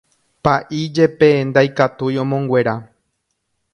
Pa'i jepe ndaikatúi omonguera.